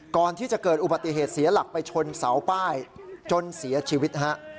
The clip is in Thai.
ก่อนที่จะเกิดอุบัติเหตุเสียหลักไปชนเสาป้ายจนเสียชีวิตฮะ